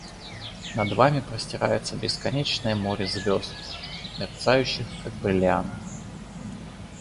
Над вами простирается бесконечное море звезд, мерцающих, как бриллианты.